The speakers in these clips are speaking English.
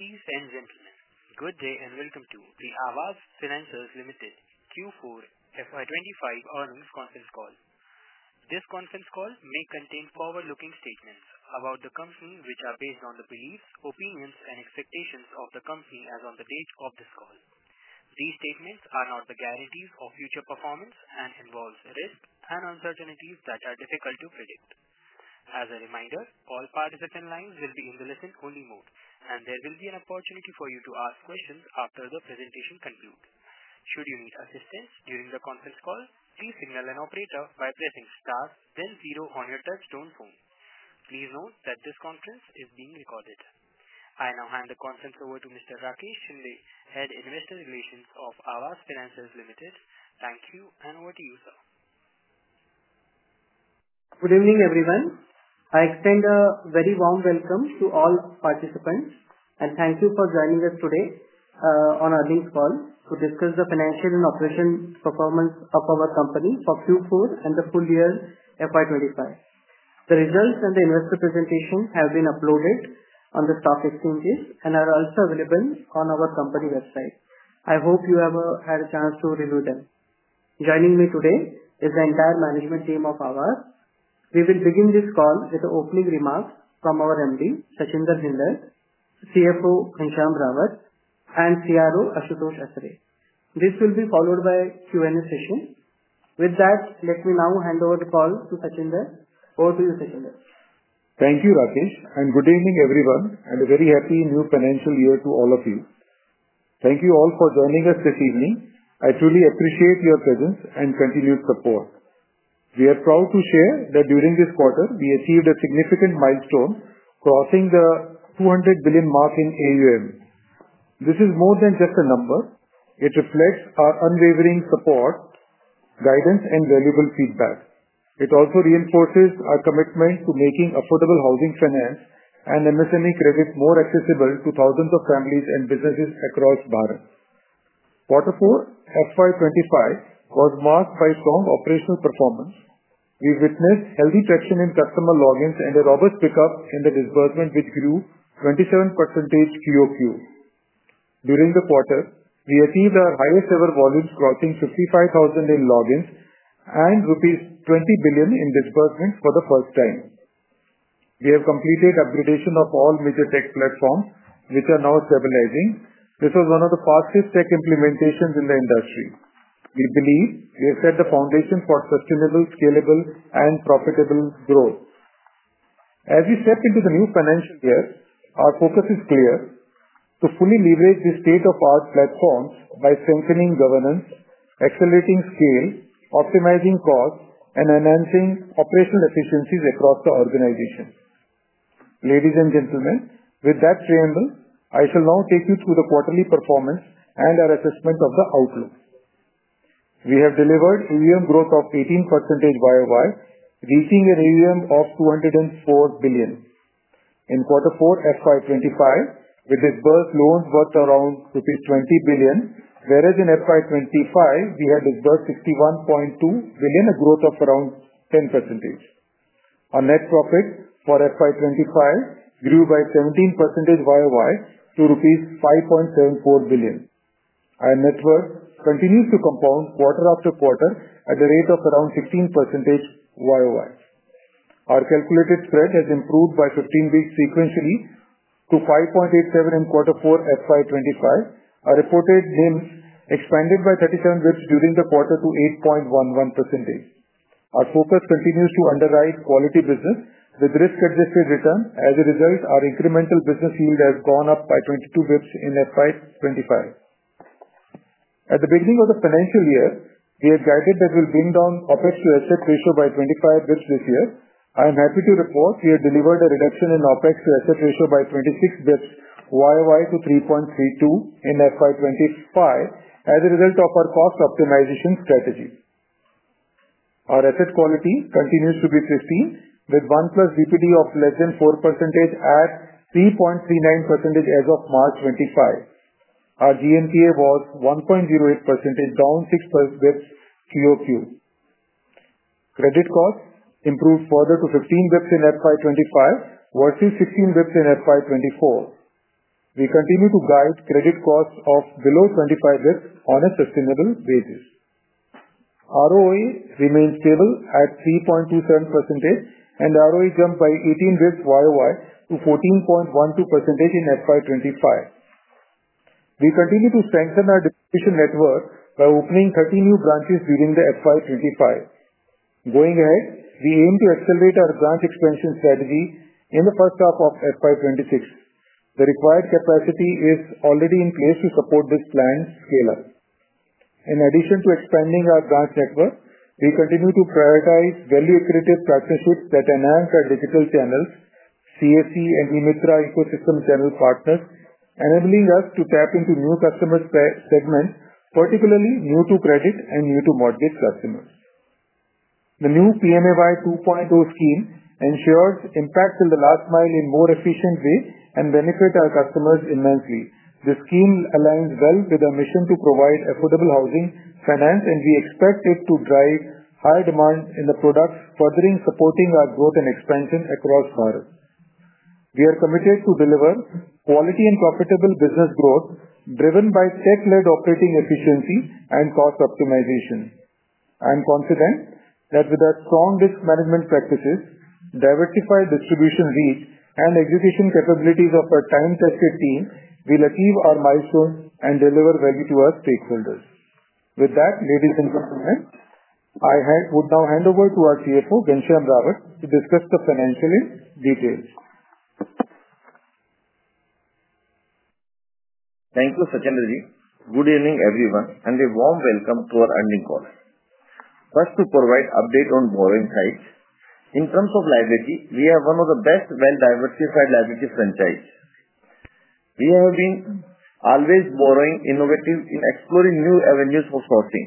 Dear friends and gentlemen, good day and welcome to the Aavas Financiers Limited Q4 FY25 earnings conference call. This conference call may contain forward-looking statements about the company, which are based on the beliefs, opinions, and expectations of the company as of the date of this call. These statements are not the guarantees of future performance and involve risks and uncertainties that are difficult to predict. As a reminder, all participant lines will be in the listen-only mode, and there will be an opportunity for you to ask questions after the presentation concludes. Should you need assistance during the conference call, please signal an operator by pressing star, then zero on your touchstone phone. Please note that this conference is being recorded. I now hand the conference over to Mr. Rakesh Shinde, Head Investor Relations of Aavas Financiers Limited. Thank you, and over to you, sir. Good evening, everyone. I extend a very warm welcome to all participants, and thank you for joining us today on our earnings call to discuss the financial and operational performance of our company for Q4 and the full year FY25. The results and the investor presentation have been uploaded on the stock exchanges and are also available on our company website. I hope you have had a chance to review them. Joining me today is the entire management team of Aavas. We will begin this call with the opening remarks from our MD, Sachinder Bhinder, CFO, Ghanshyam Rawat, and CRO, Ashutosh Atre. This will be followed by a Q&A session. With that, let me now hand over the call to Sachinder. Over to you, Sachinder. Thank you, Rakesh, and good evening, everyone, and a very happy new financial year to all of you. Thank you all for joining us this evening. I truly appreciate your presence and continued support. We are proud to share that during this quarter, we achieved a significant milestone, crossing the 200 billion mark in AUM. This is more than just a number. It reflects our unwavering support, guidance, and valuable feedback. It also reinforces our commitment to making affordable housing finance and MSME credit more accessible to thousands of families and businesses across Bharat. Quarter four, FY25, was marked by strong operational performance. We witnessed healthy traction in customer logins and a robust pickup in the disbursement, which grew 27% QoQ. During the quarter, we achieved our highest-ever volumes, crossing 55,000 in logins and rupees 20 billion in disbursements for the first time. We have completed upgradation of all major tech platforms, which are now stabilizing. This was one of the fastest tech implementations in the industry. We believe we have set the foundation for sustainable, scalable, and profitable growth. As we step into the new financial year, our focus is clear: to fully leverage the state-of-art platforms by strengthening governance, accelerating scale, optimizing costs, and enhancing operational efficiencies across the organization. Ladies and gentlemen, with that preamble, I shall now take you through the quarterly performance and our assessment of the outlook. We have delivered AUM growth of 18% YoY, reaching an AUM of 204 billion. In Q4 FY25, we disbursed loans worth around INR 20 billion, whereas in FY25, we had disbursed 61.2 billion, a growth of around 10%. Our net profit for FY25 grew by 17% YoY to rupees 5.74 billion. Our net worth continues to compound quarter after quarter at a rate of around 16% YoY. Our calculated spread has improved by 15 basis sequentially to 5.87% in Q4 FY25. Our reported NIMs expanded by 37 basis points during the quarter to 8.11%. Our focus continues to underwrite quality business with risk-adjusted return. As a result, our incremental business yield has gone up by 22 basis points in FY25. At the beginning of the financial year, we had guided that we'll bring down OPEX to asset ratio by 25 basis points this year. I am happy to report we have delivered a reduction in OPEX to asset ratio by 26 basis points year-over-year to 3.32% in FY25 as a result of our cost optimization strategy. Our asset quality continues to be strong, with one-plus DPD of less than 4% at 3.39% as of March 2025. Our GNPA was 1.08%, down 6 basis points QoQ. Credit costs improved further to 15 basis points in FY25 versus 16 basis points in FY24. We continue to guide credit costs of below 25 basis points on a sustainable basis. ROA remained stable at 3.27%, and ROE jumped by 18 basis points year-over-year to 14.12% in FY25. We continue to strengthen our distribution network by opening 30 new branches during FY25. Going ahead, we aim to accelerate our branch expansion strategy in the first half of FY 2026. The required capacity is already in place to support this planned scale-up. In addition to expanding our branch network, we continue to prioritize value-accretive partnerships that enhance our digital channels, CAC and EMITRA ecosystem channel partners, enabling us to tap into new customer segments, particularly new-to-credit and new-to-mortgage customers. The new PMAY 2.0 scheme ensures impact till the last mile in a more efficient way and benefits our customers immensely. The scheme aligns well with our mission to provide affordable housing finance, and we expect it to drive high demand in the products, further supporting our growth and expansion across Bharat. We are committed to deliver quality and profitable business growth driven by tech-led operating efficiency and cost optimization. I am confident that with our strong risk management practices, diversified distribution reach, and execution capabilities of our time-tested team, we'll achieve our milestones and deliver value to our stakeholders. With that, ladies and gentlemen, I would now hand over to our CFO, Ghanshyam Rawat, to discuss the financial details. Thank you, Sachinder ji. Good evening, everyone, and a warm welcome to our earning call. First, to provide an update on borrowing sites. In terms of liability, we have one of the best, well-diversified liability franchises. We have been always borrowing, innovative, and exploring new avenues for sourcing.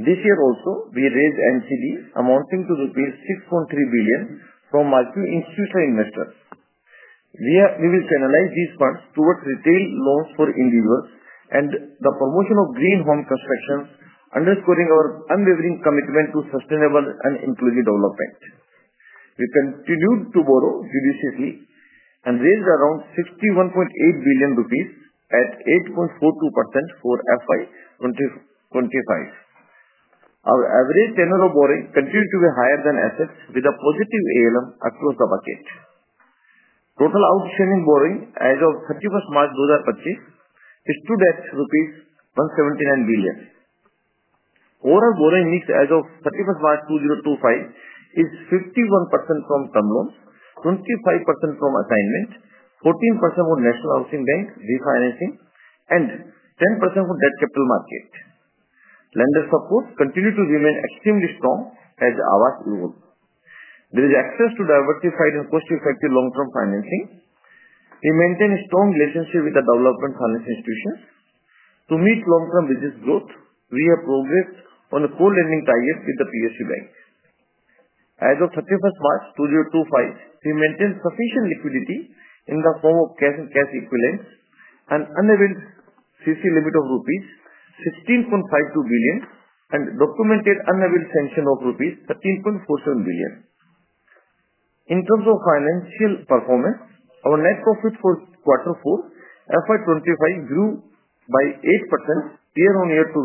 This year also, we raised MCDs amounting to rupees 6.3 billion from multiple institutional investors. We will channelize these funds towards retail loans for individuals and the promotion of green home construction, underscoring our unwavering commitment to sustainable and inclusive development. We continued to borrow judiciously and raised around INR 61.8 billion at 8.42% for FY 2025. Our average tenure of borrowing continued to be higher than assets, with a positive ALM across the bucket. Total outstanding borrowing as of 31 March 2025 is INR 179 billion. Overall borrowing mix as of 31st March 2025 is 51% from term loans, 25% from assignment, 14% from National Housing Bank refinancing, and 10% from debt capital market. Lender support continued to remain extremely strong as Aavas evolved. There is access to diversified and cost-effective long-term financing. We maintain a strong relationship with the development finance institutions. To meet long-term business growth, we have progressed on a co-learning target with the PSU Bank. As of 31st March 2025, we maintain sufficient liquidity in the form of cash and cash equivalents, an unavailed CC limit of rupees 16.52 billion, and documented unavailed sanction of rupees 13.47 billion. In terms of financial performance, our net profit for Q4 FY25 grew by 8% year-on-year to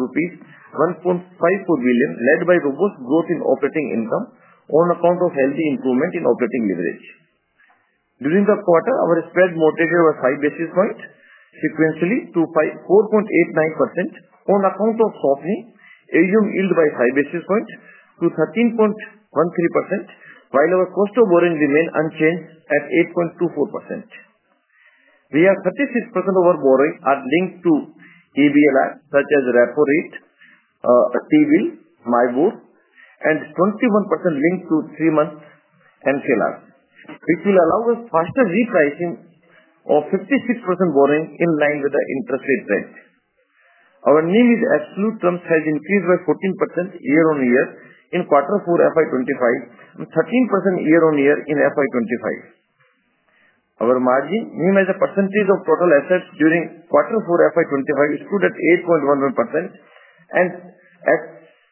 1.54 billion, led by robust growth in operating income on account of healthy improvement in operating leverage. During the quarter, our spread moderated by 5 basis points sequentially to 4.89% on account of softening AUM yield by five basis points to 13.13%, while our cost of borrowing remained unchanged at 8.24%. We have 36% of our borrowing linked to EBLR such as Repo Rate, T-Bill, MIBOR, and 21% linked to three-month MCLRs, which will allow us faster repricing of 56% borrowing in line with the interest rate trend. Our NIM in absolute terms has increased by 14% year-on-year in Q4 2025 and 13% year-on-year in FY25. Our margin NIM as a percentage of total assets during Q4 2025 stood at 8.11% and at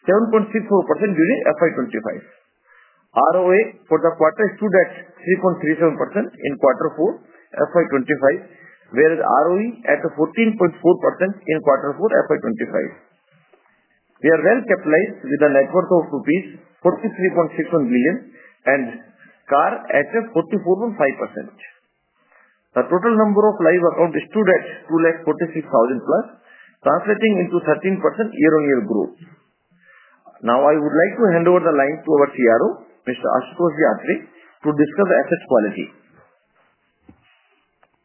7.64% during FY25. ROA for the quarter stood at 3.37% in Q4 2025, whereas ROE at 14.4% in Q4 2025. We are well-capitalized with a net worth of rupees 43.61 billion and CAR at 44.5%. The total number of live accounts stood at 246,000 plus, translating into 13% year-on-year growth. Now, I would like to hand over the line to our CRO, Mr. Ashutosh Atre, to discuss asset quality.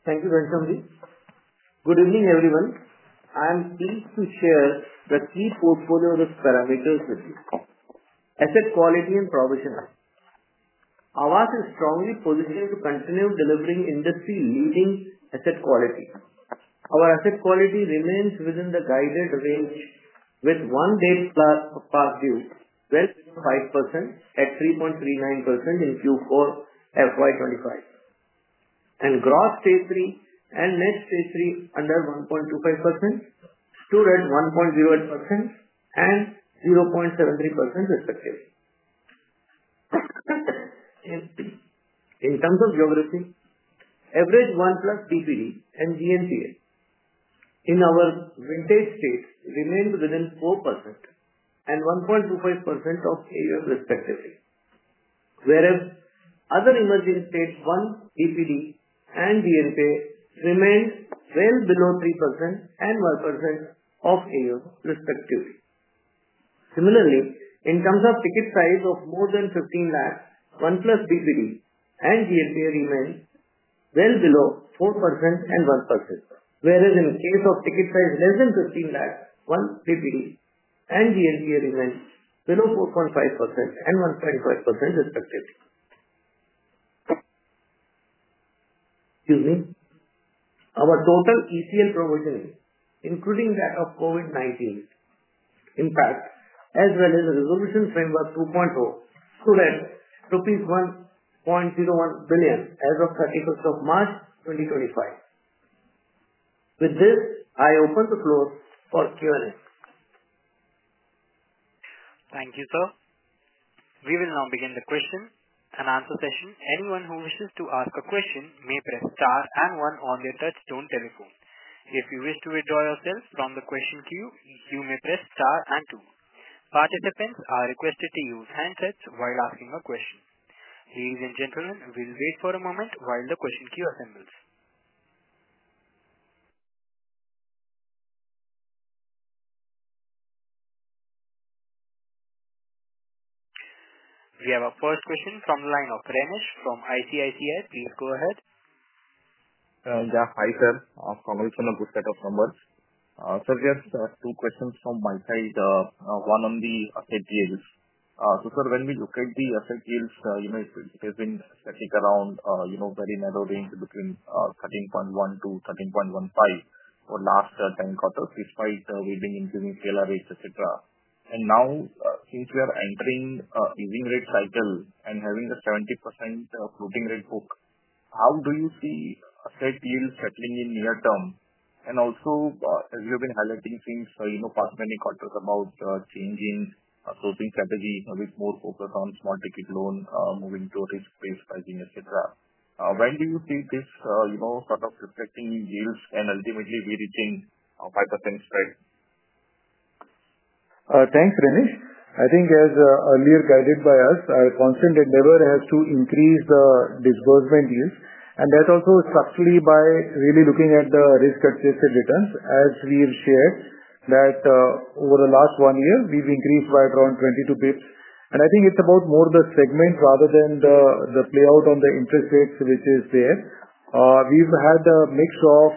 Thank you, Ghanshyam ji. Good evening, everyone. I am pleased to share the key portfolio risk parameters with you. Asset quality and provision: Aavas is strongly positioned to continue delivering industry-leading asset quality. Our asset quality remains within the guided range, with one day past due 12.5% at 3.39% in Q4 FY25, and gross stage three and net stage three under 1.25% stood at 1.08% and 0.73%, respectively. In terms of geography, average one-plus DPD and GNPA in our vintage states remained within 4% and 1.25% of AUM, respectively, whereas other emerging states, one DPD and GNPA remained well below 3% and 1% of AUM, respectively. Similarly, in terms of ticket size of more than 15 million, one-plus DPD and GNPA remained well below 4% and 1%, whereas in the case of ticket size less than INR 15 million, one DPD and GNPA remained below 4.5% and 1.5%, respectively. Excuse me. Our total ECL provisioning, including that of COVID-19 impact, as well as the Resolution Framework 2.0, stood at INR 1.01 billion as of 31st March 2025. With this, I open the floor for Q&A. Thank you, sir. We will now begin the question and answer session. Anyone who wishes to ask a question may press star and one on their touchstone telephone. If you wish to withdraw yourself from the question queue, you may press star and two. Participants are requested to use handsets while asking a question. Ladies and gentlemen, we'll wait for a moment while the question queue assembles. We have our first question from the line of Renish from ICICI. Please go ahead. Yeah, hi, sir. Congress on a good set of numbers. Sir, just two questions from my side. One on the asset yields. Sir, when we look at the asset yields, it has been sitting around a very narrow range between 13.1% to 13.15% for the last 10 quarters, despite waving into new seller rates, etc. Now, since we are entering an easing rate cycle and having a 70% floating rate book, how do you see asset yields settling in near term? Also, as you have been highlighting since past many quarters about changing sourcing strategy with more focus on small ticket loan, moving to risk-based pricing, etc., when do you see this sort of reflecting in yields and ultimately reaching a 5% spread? Thanks, Renish. I think, as earlier guided by us, our constant endeavor has to increase the disbursement yields, and that's also structurally by really looking at the risk-adjusted returns. As we've shared that over the last one year, we've increased by around 22 basis points. I think it's about more the segment rather than the play out on the interest rates, which is there. We've had a mix of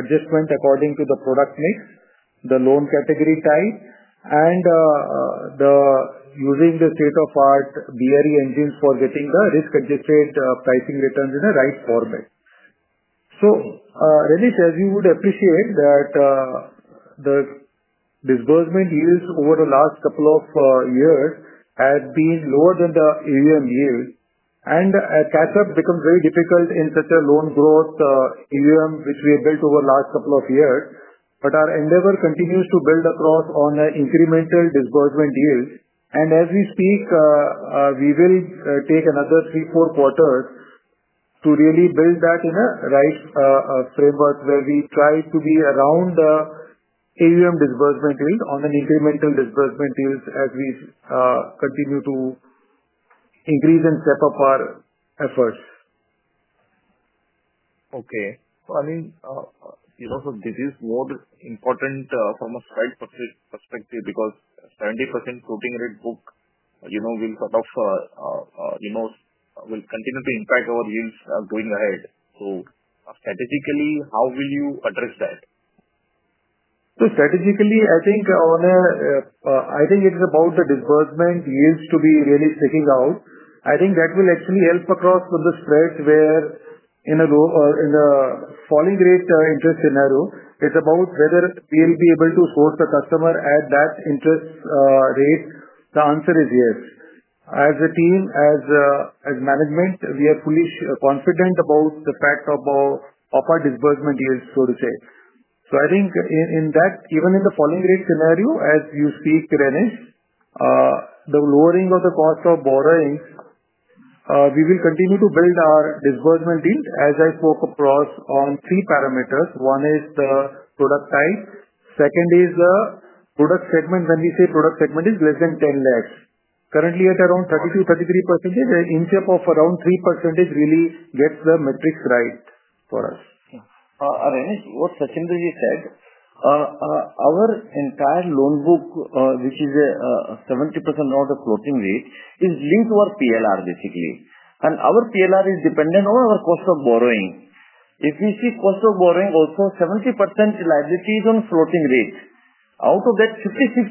adjustment according to the product mix, the loan category type, and using the state-of-art BRE engines for getting the risk-adjusted pricing returns in the right format. Renish, as you would appreciate, the disbursement yields over the last couple of years have been lower than the AUM yield, and a catch-up becomes very difficult in such a loan growth AUM, which we have built over the last couple of years. Our endeavor continues to build across on an incremental disbursement yield. As we speak, we will take another three to four quarters to really build that in a right framework where we try to be around the AUM disbursement yield on an incremental disbursement yields as we continue to increase and step up our efforts. Okay. I mean, you know, this is more important from a SWIGHT perspective because 70% floating rate book will sort of will continue to impact our yields going ahead. Strategically, how will you address that? Strategically, I think it's about the disbursement yields to be really sticking out. I think that will actually help across the spreads where in a falling rate interest scenario, it's about whether we'll be able to source the customer at that interest rate. The answer is yes. As a team, as management, we are fully confident about the fact of our disbursement yields, so to say. I think in that, even in the falling rate scenario, as you speak, Renish, the lowering of the cost of borrowing, we will continue to build our disbursement yield as I spoke across on three parameters. One is the product type. Second is the product segment. When we say product segment is less than 1,000,000, currently at around 32%-33%, an inch up of around 3% really gets the metrics right for us. Renish, what Sachinder said, our entire loan book, which is 70% of the floating rate, is linked to our PLR, basically. Our PLR is dependent on our cost of borrowing. If we see cost of borrowing, also 70% liability is on floating rate. Out of that, 56% is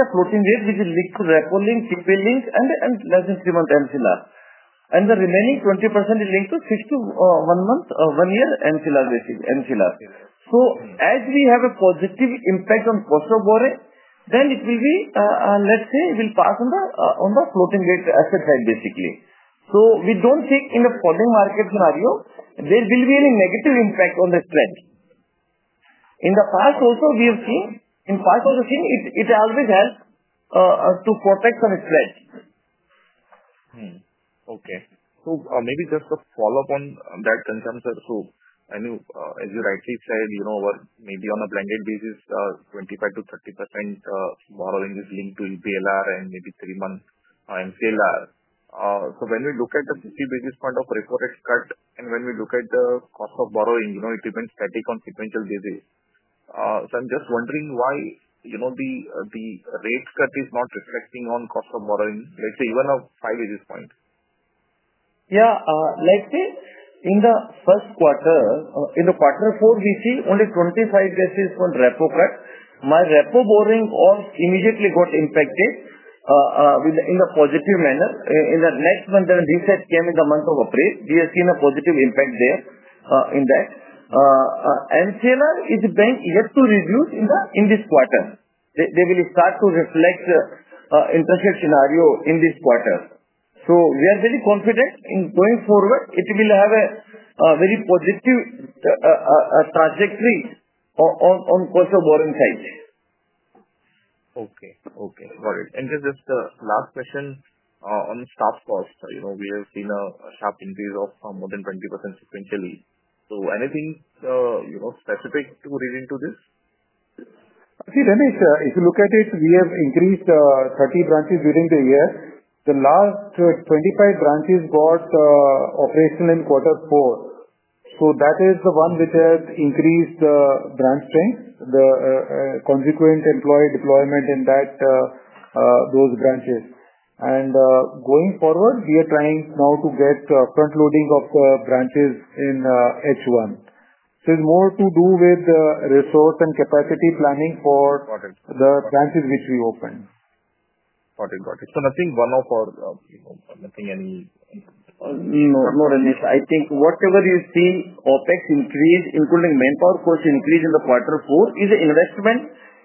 a floating rate, which is linked to repo-linked, T-bill-linked, and less than three-month MCLR. The remaining 20% is linked to six-month, one-year MCLR, basically. As we have a positive impact on cost of borrowing, it will be, let's say, it will pass on the floating rate asset side, basically. We don't think in the falling market scenario, there will be any negative impact on the spread. In the past, also, we have seen in parts of the scene, it always helps to protect some spread. Okay. Maybe just a follow-up on that, Ghanshyam sir. I mean, as you rightly said, maybe on a blanket basis, 25%-30% borrowing is linked to PLR and maybe three-month MCLR. When we look at the 50 basis point of reported cut and when we look at the cost of borrowing, it remains static on sequential basis. I'm just wondering why the rate cut is not reflecting on cost of borrowing, let's say, even a 5 basis point? Yeah. Let's say in the first quarter, in the quarter four, we see only 25 basis point repo cut. My repo borrowing immediately got impacted in a positive manner. In the next month, then reset came in the month of April. We have seen a positive impact there in that. NIM is going yet to reduce in this quarter. They will start to reflect the interest rate scenario in this quarter. We are very confident in going forward. It will have a very positive trajectory on cost of borrowing side. Okay. Okay. Got it. Just the last question on the stock cost. We have seen a sharp increase of more than 20% sequentially. Anything specific to read into this? See, Renish, if you look at it, we have increased 30 branches during the year. The last 25 branches got operational in quarter four. That is the one which has increased the branch strength, the consequent employee deployment in those branches. Going forward, we are trying now to get front loading of the branches in H1. It is more to do with the resource and capacity planning for the branches which we opened. Got it. Got it. Nothing one-off or nothing any? No, Renish. I think whatever you see, OPEX increase, including manpower cost increase in the quarter four, is an investment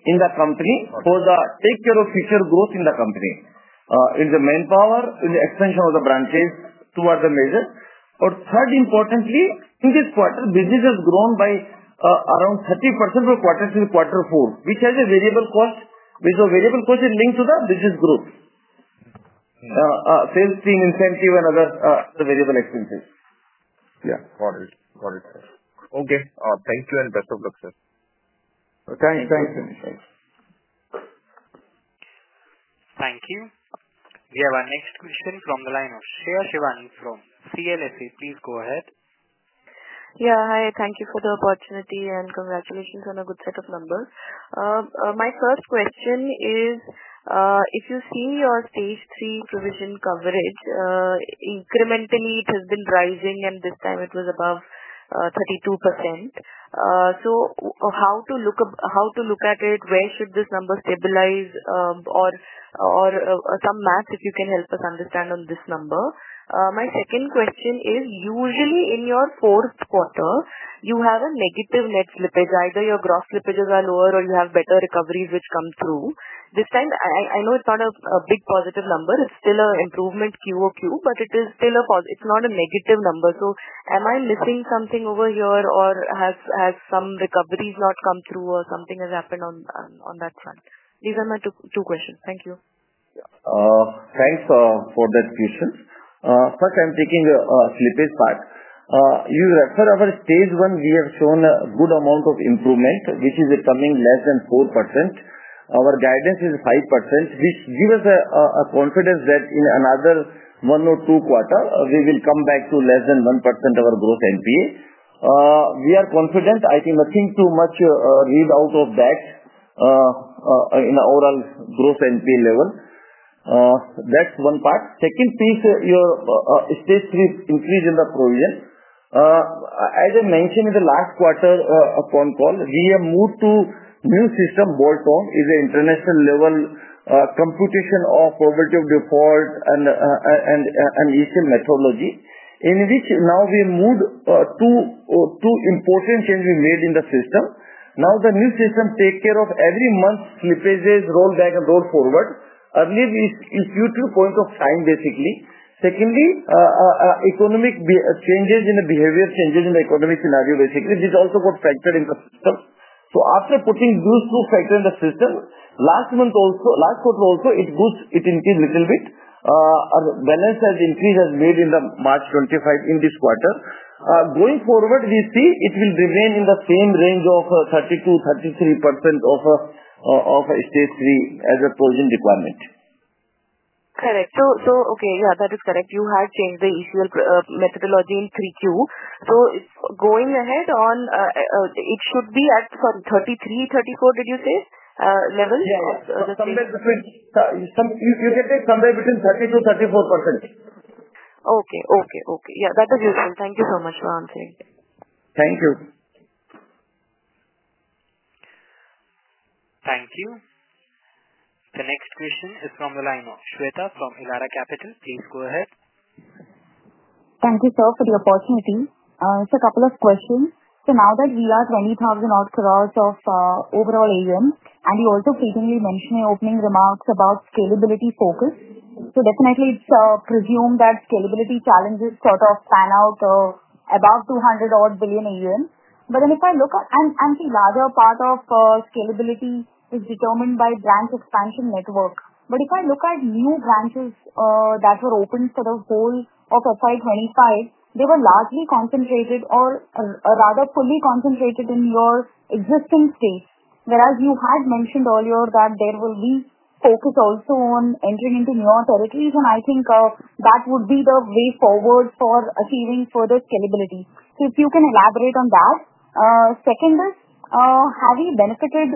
in the company for the take care of future growth in the company. It's the manpower, it's the extension of the branches towards the major. Or third, importantly, in this quarter, business has grown by around 30% from quarter three to quarter four, which has a variable cost, which is a variable cost linked to the business group, sales team incentive, and other variable expenses. Yeah. Got it. Got it, sir. Okay. Thank you and best of luck, sir. Thanks. Thanks. Thank you. We have our next question from the line of Shreya Shivani from CLSA. Please go ahead. Yeah. Hi. Thank you for the opportunity and congratulations on a good set of numbers. My first question is, if you see your stage three provision coverage, incrementally, it has been rising, and this time it was above 32%. How to look at it? Where should this number stabilize? Or some math, if you can help us understand on this number. My second question is, usually in your fourth quarter, you have a negative net slippage. Either your gross slippages are lower or you have better recoveries which come through. This time, I know it's not a big positive number. It's still an improvement QOQ, but it is still a it's not a negative number. Am I missing something over here, or has some recoveries not come through, or something has happened on that front? These are my two questions. Thank you. Thanks for that question. First, I'm taking a slippage part. You refer our stage one, we have shown a good amount of improvement, which is coming less than 4%. Our guidance is 5%, which gives us a confidence that in another one or two quarters, we will come back to less than 1% of our gross NPA. We are confident. I think nothing too much read out of that in our gross NPA level. That's one part. Second piece, your stage three increase in the provision. As I mentioned in the last quarter phone call, we have moved to new system, Bolton. It's an international-level computation of probability of default and ECL methodology, in which now we moved two important changes we made in the system. Now, the new system takes care of every month's slippages, rollback, and roll forward. Earlier, it's due to point of time, basically. Secondly, economic changes in the behavior changes in the economic scenario, basically, which also got factored into the system. After putting those two factors in the system, last month also, last quarter also, it goes, it increased a little bit. Balance has increased as made in the March 2025 in this quarter. Going forward, we see it will remain in the same range of 32-33% of stage three as a provision requirement. Correct. Okay. Yeah, that is correct. You have changed the ECL methodology in 3Q. Going ahead, it should be at, sorry, 33, 34, did you say? Level? Yeah. Somewhere between you can take somewhere between 30-34%. Okay. Okay. Okay. Yeah. That is useful. Thank you so much for answering. Thank you. Thank you. The next question is from the line of Shweta from Elara Capital. Please go ahead. Thank you, sir, for the opportunity. It's a couple of questions. Now that we are 20,000 odd crore of overall AUM, and you also frequently mentioned in opening remarks about scalability focus. Definitely, it's presumed that scalability challenges sort of pan out above 200 odd billion AUM. If I look at, and the larger part of scalability is determined by branch expansion network. If I look at new branches that were opened for the whole of 2025, they were largely concentrated or rather fully concentrated in your existing states, whereas you had mentioned earlier that there will be focus also on entering into newer territories. I think that would be the way forward for achieving further scalability. If you can elaborate on that. Second is, have we benefited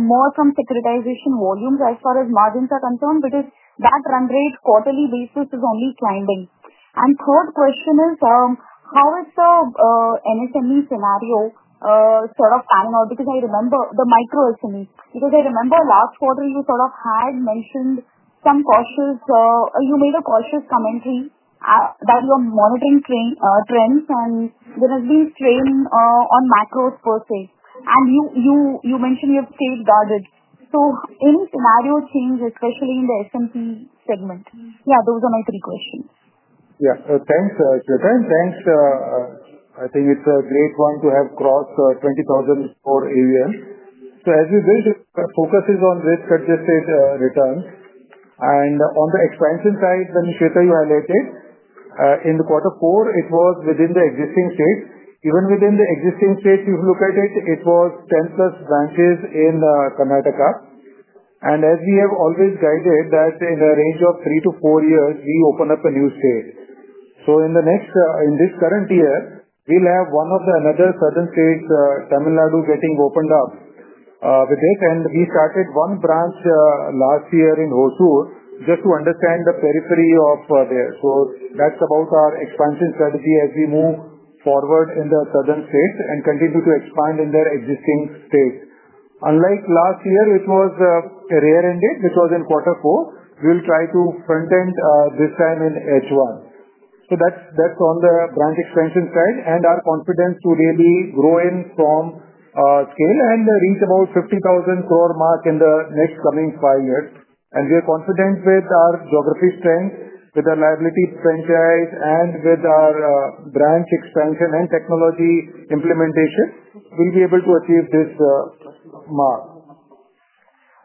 more from securitization volumes as far as margins are concerned? Because that run rate quarterly basis is only climbing. Third question is, how is the MSME scenario sort of pan out? Because I remember the micro SMEs. I remember last quarter, you sort of had mentioned some cautious, you made a cautious commentary that you're monitoring trends, and there has been strain on macros, per se. You mentioned you have stayed guarded. Any scenario change, especially in the MSME segment? Yeah, those are my three questions. Yeah. Thanks, Shweta. And thanks. I think it's a great one to have crossed 20,000 for AUM. As we build, the focus is on risk-adjusted returns. On the expansion side, when Shweta, you highlighted, in the quarter four, it was within the existing states. Even within the existing states, if you look at it, it was 10 plus branches in Karnataka. As we have always guided that in a range of three to four years, we open up a new state. In this current year, we'll have one of the another southern states, Tamil Nadu, getting opened up with it. We started one branch last year in Hosur just to understand the periphery of there. That's about our expansion strategy as we move forward in the southern states and continue to expand in their existing states. Unlike last year, which was a rare ending, which was in quarter four, we will try to front end this time in H1. That is on the branch expansion side and our confidence to really grow in from scale and reach about 50,000 crore mark in the next coming five years. We are confident with our geography strength, with our liability franchise, and with our branch expansion and technology implementation, we will be able to achieve this mark.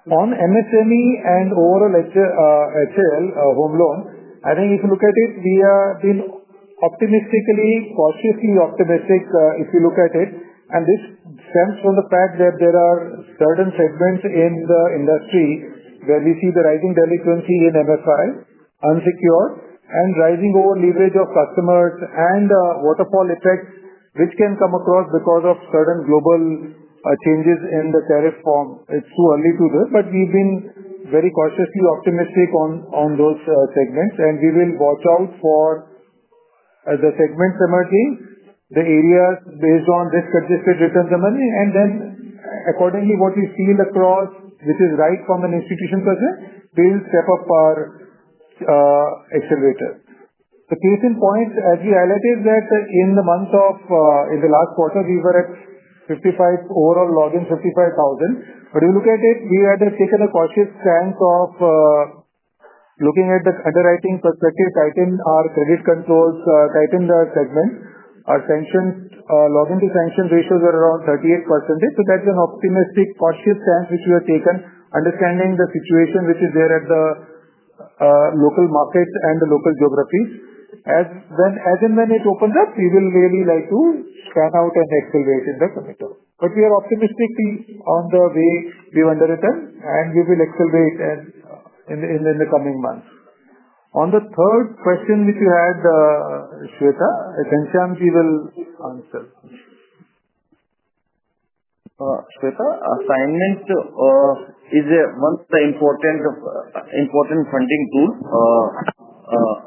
On MSME and overall HL home loan, I think if you look at it, we have been optimistically, cautiously optimistic if you look at it. This stems from the fact that there are certain segments in the industry where we see the rising delinquency in MFI, unsecured, and rising over-leverage of customers and waterfall effects, which can come across because of certain global changes in the tariff form. It's too early to do it, but we've been very cautiously optimistic on those segments. We will watch out for the segments emerging, the areas based on risk-adjusted returns emerging. Accordingly, what we feel across, which is right from an institution perspective, we will step up our accelerator. The case in point, as we highlighted, is that in the last quarter, we were at 55,000 overall login. If you look at it, we had taken a cautious stance of looking at the underwriting perspective, tighten our credit controls, tighten the segment. Our login to sanction ratios were around 38%. That's an optimistic, cautious stance which we have taken, understanding the situation which is there at the local markets and the local geographies. As and when it opens up, we will really like to pan out and accelerate in the committee. We are optimistic on the way we've underwritten, and we will accelerate in the coming months. On the third question which you had, Shweta, Ghanshyam, you will answer. Shweta, assignment is one of the important funding tools.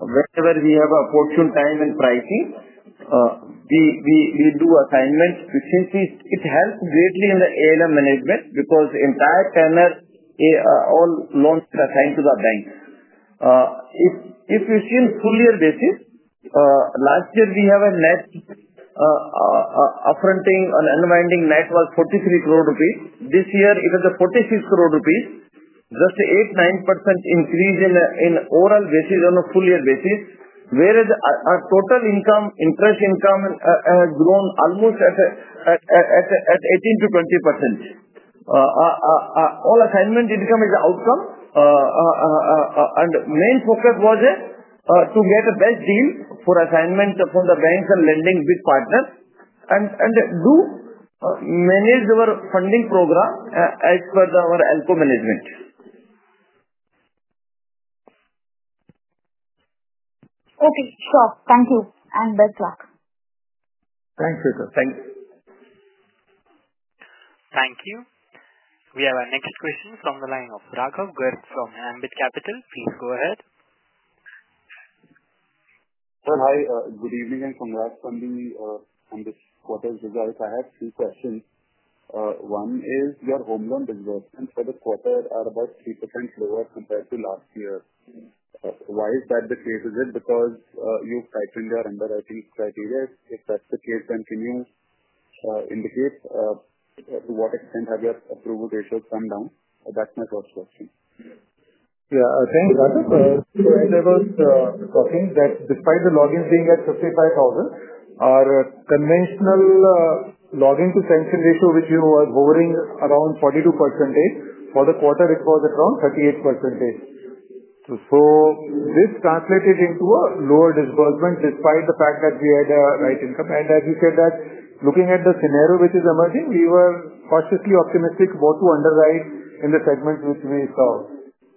Whenever we have a fortunate time in pricing, we do assignments. It helps greatly in the ALM management because the entire tenor, all loans are assigned to the bank. If you see on full year basis, last year we have a net upfronting and unwinding net worth INR 43 crore. This year, it is 46 crore rupees, just 8-9% increase on overall basis on a full year basis, whereas our total income, interest income, has grown almost at 18-20%. All assignment income is outcome. The main focus was to get a best deal for assignment from the banks and lending big partners and to manage our funding program as per our ALCO management. Okay. Sure. Thank you. Best luck. Thanks, Shweta. Thank you. Thank you. We have our next question from the line of Raghav Garg from Ambit Capital. Please go ahead. Sir, hi. Good evening and congrats on the quarter results. I have two questions. One is, your home loan reimbursements for the quarter are about 3% lower compared to last year. Why is that the case? Is it because you've tightened your underwriting criteria? If that's the case, then can you indicate to what extent have your approval ratios come down? That's my first question. Yeah. Thanks, Raghav. We were just talking that despite the login being at 55,000, our conventional login to sanction ratio, which you were hovering around 42%, for the quarter, it was around 38%. This translated into a lower disbursement despite the fact that we had a right income. As you said, looking at the scenario which is emerging, we were cautiously optimistic about to underwrite in the segments which we saw.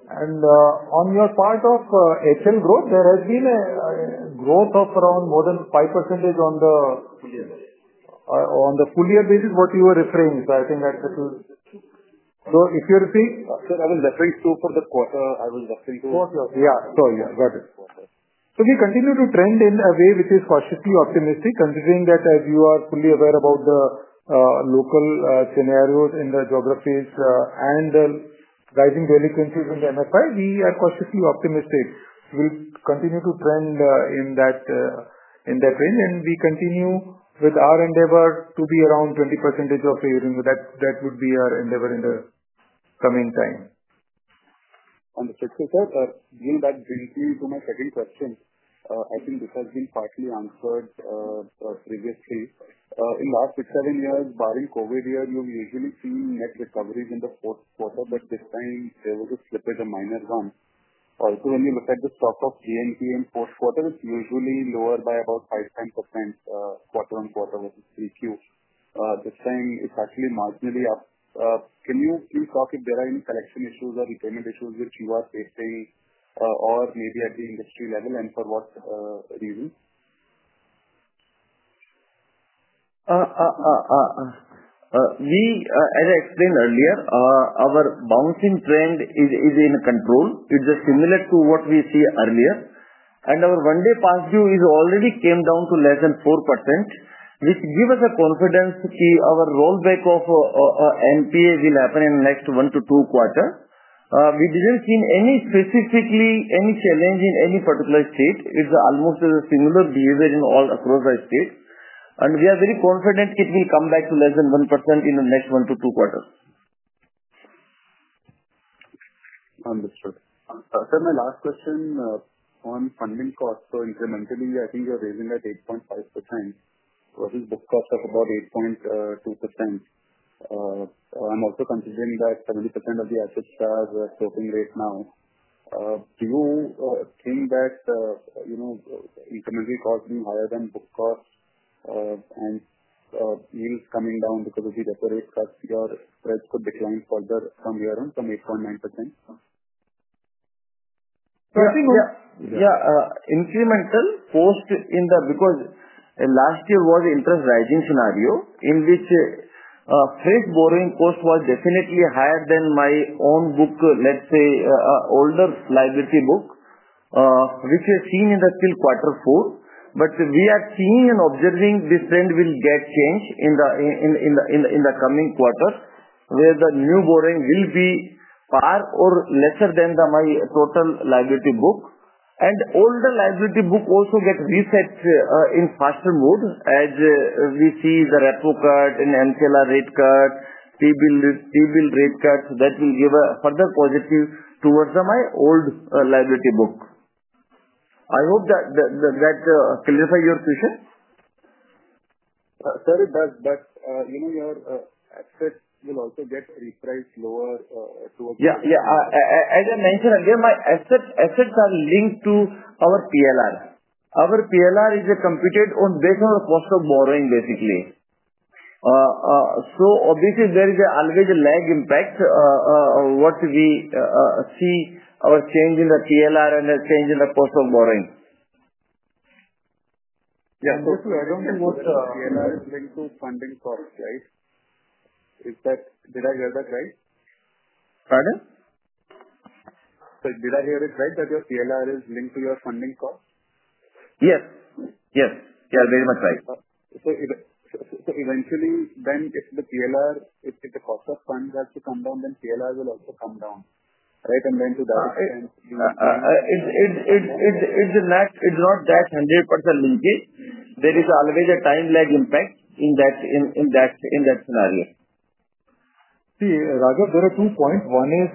On your part of HL growth, there has been a growth of around more than 5% on the full year basis, what you were referring. I think that this is so if you're seeing. Sir, I will refer to for the quarter, I will refer to. Quarter. Yeah. Sorry. Got it. We continue to trend in a way which is cautiously optimistic, considering that as you are fully aware about the local scenarios in the geographies and rising delinquencies in the MFI, we are cautiously optimistic. We will continue to trend in that range, and we continue with our endeavor to be around 20% for the year. That would be our endeavor in the coming time. On the fixed rate side, again, that brings me to my second question. I think this has been partly answered previously. In the last six or seven years, barring the COVID year, you've usually seen net recoveries in the fourth quarter, but this time there was a slippage, a minor one. Also, when you look at the stock of GNPA in the fourth quarter, it's usually lower by about 5-10% quarter on quarter versus 3Q. This time, it's actually marginally up. Can you please talk if there are any collection issues or repayment issues which you are facing, or maybe at the industry level, and for what reason? As I explained earlier, our bouncing trend is in control. It's similar to what we see earlier. Our one-day pass-through already came down to less than 4%, which gives us confidence that our rollback of NPA will happen in the next one to two quarters. We didn't see specifically any challenge in any particular state. It's almost a similar behavior across the states. We are very confident it will come back to less than 1% in the next one to two quarters. Understood. Sir, my last question on funding costs. Incrementally, I think you're raising at 8.5% versus book costs of about 8.2%. I'm also considering that 70% of the assets are floating right now. Do you think that incremental costs being higher than book costs and yields coming down because of the depot rates cuts, your spreads could decline further from here on from 8.9%? I think, yeah, incremental post in the because last year was an interest-rising scenario in which fresh borrowing cost was definitely higher than my own book, let's say, older liability book, which is seen in the still quarter four. We are seeing and observing this trend will get changed in the coming quarter, where the new borrowing will be par or lesser than my total liability book. Older liability book also gets reset in faster mode as we see the repo cut and MCLR rate cut, T-bill rate cuts that will give a further positive towards my old liability book. I hope that clarifies your question. Sir, it does. Your assets will also get repriced lower towards the end. Yeah. Yeah. As I mentioned earlier, my assets are linked to our PLR. Our PLR is computed based on the cost of borrowing, basically. Obviously, there is always a lag impact of what we see, our change in the PLR and the change in the cost of borrowing. Yeah. I do not think PLR is linked to funding costs, right? Did I hear that right? Pardon? Did I hear it right that your PLR is linked to your funding costs? Yes. Yes. You are very much right. Eventually, then if the PLR, if the cost of funds has to come down, then PLR will also come down, right? And then to that extent. It's not that 100% linkage. There is always a time lag impact in that scenario. See, Raghav, there are two points. One is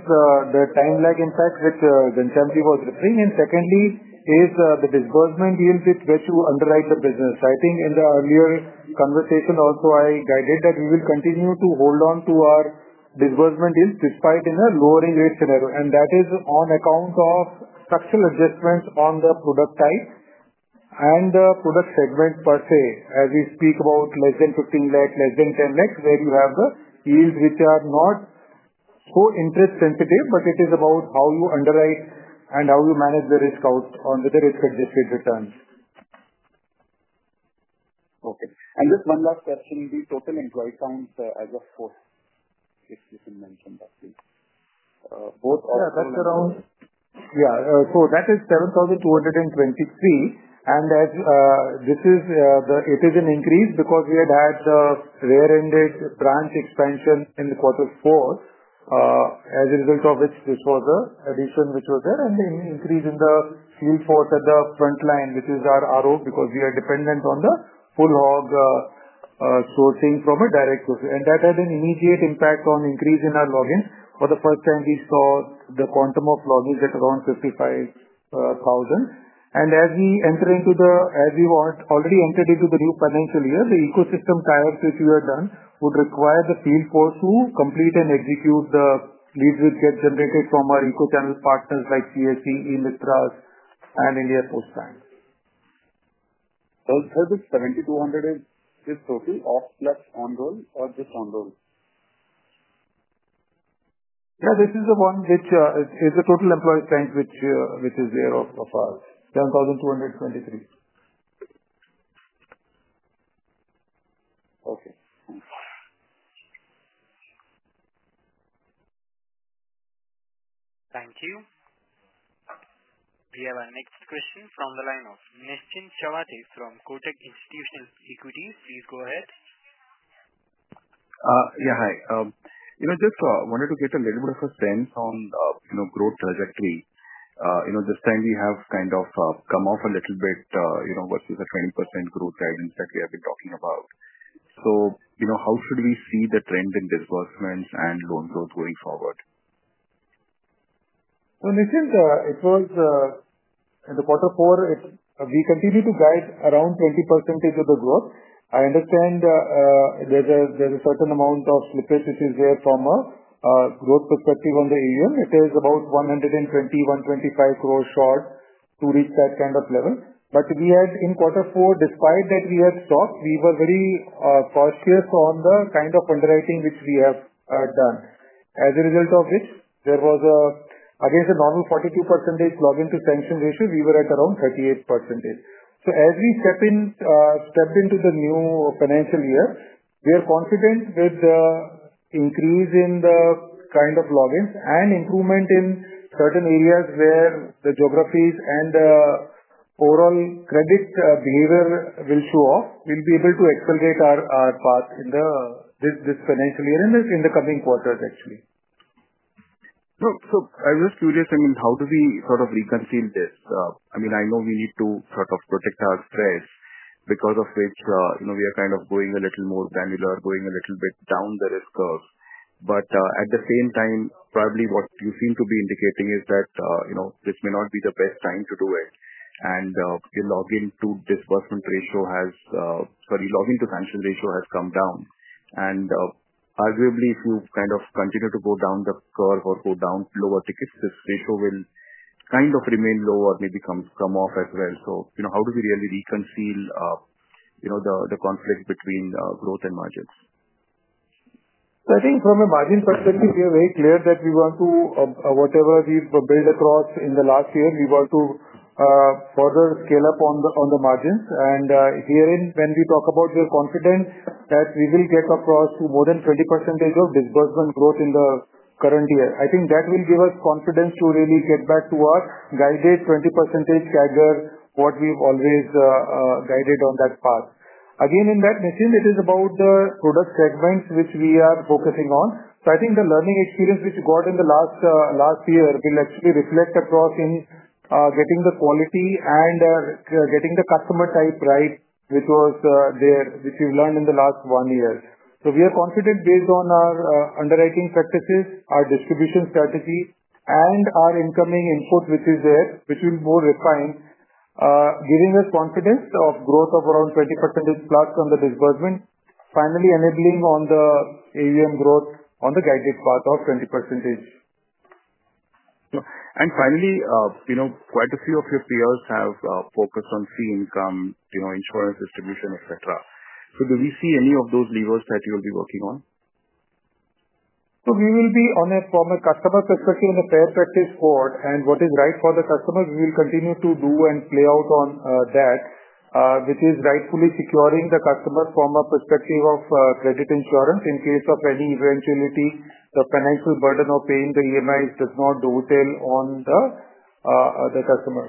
the time lag impact which Ghanshyamji was referring. Secondly is the disbursement yield with which you underwrite the business. I think in the earlier conversation also, I guided that we will continue to hold on to our disbursement yield despite in a lowering rate scenario. That is on account of structural adjustments on the product type and the product segment per se. As we speak about less than 1.5 million, less than 1 million, where you have the yields which are not so interest-sensitive, but it is about how you underwrite and how you manage the risk out on the risk-adjusted returns. Okay. Just one last question. The total employee count as of fourth, if you can mention that, please. Both of. Yeah. That's around. Yeah. So that is 7,223. This is an increase because we had had the year-ended branch expansion in quarter four, as a result of which this was the addition which was there. The increase in the field force at the front line, which is our RO, is because we are dependent on the full hog sourcing from a direct source. That had an immediate impact on increase in our login. For the first time, we saw the quantum of logins at around 55,000. As we already entered into the new financial year, the ecosystem tariffs which we have done would require the field force to complete and execute the leads which get generated from our eco channel partners like CSC, e-Mitra, and India Post Bank. Sir, this 7,200 is totally off plus on roll or just on roll? Yeah. This is the one which is the total employee strength which is there of ours, 7,223. Okay. Thank you. We have our next question from the line of Nischint Chawathe from Kotak Institutional Equity. Please go ahead. Yeah. Hi. Just wanted to get a little bit of a sense on growth trajectory. This time, we have kind of come off a little bit versus the 20% growth guidance that we have been talking about. How should we see the trend in disbursements and loan growth going forward? Nischint, it was in the quarter four, we continued to guide around 20% of the growth. I understand there's a certain amount of slippage which is there from a growth perspective on the AUM. It is about 120 crore-125 crore short to reach that kind of level. We had in quarter four, despite that we had stopped, we were very cautious on the kind of underwriting which we have done. As a result of which, there was, against a normal 42% login to sanction ratio, we were at around 38%. As we stepped into the new financial year, we are confident with the increase in the kind of logins and improvement in certain areas where the geographies and the overall credit behavior will show off, we'll be able to accelerate our path in this financial year and in the coming quarters, actually. I was just curious, I mean, how do we sort of reconcile this? I mean, I know we need to sort of protect our spreads because of which we are kind of going a little more granular, going a little bit down the risk curve. At the same time, probably what you seem to be indicating is that this may not be the best time to do it. Your login to disbursement ratio has, sorry, login to sanction ratio has come down. Arguably, if you kind of continue to go down the curve or go down lower tickets, this ratio will kind of remain low or maybe come off as well. How do we really reconcile the conflict between growth and margins? I think from a margin perspective, we are very clear that we want to, whatever we build across in the last year, we want to further scale up on the margins. Herein, when we talk about, we are confident that we will get across to more than 20% of disbursement growth in the current year. I think that will give us confidence to really get back to our guided 20% CAGR, what we've always guided on that path. Again, in that, Nischint, it is about the product segments which we are focusing on. I think the learning experience which we got in the last year will actually reflect across in getting the quality and getting the customer type right, which we've learned in the last one year. We are confident based on our underwriting practices, our distribution strategy, and our incoming input, which is there, which will be more refined, giving us confidence of growth of around 20% plus on the disbursement, finally enabling on the AUM growth on the guided path of 20%. Finally, quite a few of your peers have focused on fee income, insurance distribution, etc. Do we see any of those levers that you'll be working on? We will be on a from a customer perspective and a fair practice board, and what is right for the customer, we will continue to do and play out on that, which is rightfully securing the customer from a perspective of credit insurance in case of any eventuality, the financial burden of paying the EMIs does not dovetail on the customer.